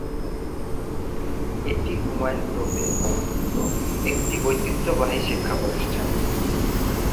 এটি হুমায়ূন রোডে অবস্থিত একটি ঐতিহ্যবাহী শিক্ষা প্রতিষ্ঠান।